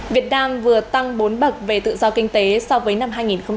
việt nam vừa tăng bốn bậc về tự do kinh tế so với năm hai nghìn hai mươi hai